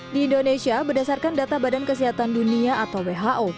di indonesia berdasarkan data badan kesehatan dunia atau who